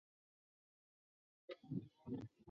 该简化方法也不需要那么多存储空间和延迟。